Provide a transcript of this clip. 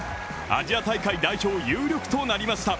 アジア大会代表有力となりました。